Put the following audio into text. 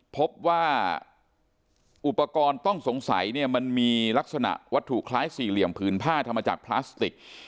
พบว่าอุปกรณ์ต้องสงสัยเนี่ยมันมีลักษณะวัตถุคล้ายสี่เหลี่ยมผืนผ้าทำมาจากพลาสติก